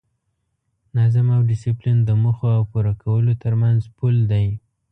نظم او ډیسپلین د موخو او پوره کولو ترمنځ پل دی.